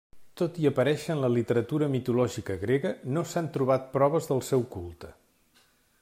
Tot i aparèixer en la literatura mitològica grega, no s'han trobat proves del seu culte.